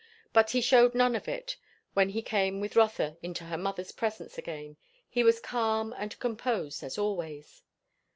But he shewed none of it, when he came with Rotha into her mother's presence again; he was calm and composed as always.